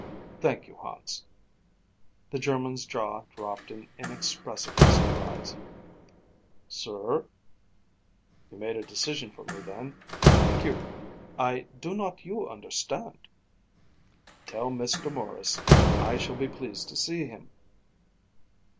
"Thank you, Hans." The German's jaw dropped in inexpressible surprise. "Sir?" he repeated. "You made a decision for me, then. Thank you." "I do not you understand." "Tell Mr. Maurice I shall be pleased to see him."